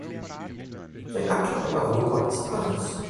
Sein aktueller Wohnort ist Paris.